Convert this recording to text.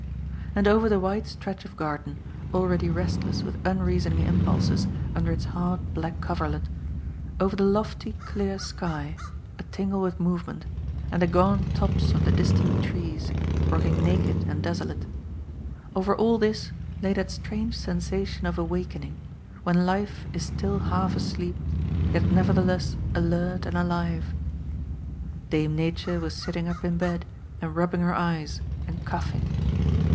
And over the wide stretch of garden, already restless with unreasoning impulses under its hard black coverlet, over the lofty clear sky, a tingle with movement, and the gaunt tops of the distant trees, rocking naked and desolate — over all this lay that strange sensation of awakening, when life is still half asleep yet nevertheless alert and alive. Dame Nature was sitting up in bed and rubbing her eyes, and coughing.